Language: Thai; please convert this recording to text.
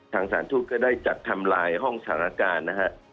ทางสารทูตก็ได้จัดทำลายห้องสถานการณ์นะฮะ